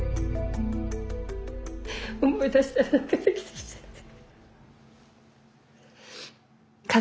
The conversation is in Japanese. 思い出したら泣けてきちゃった。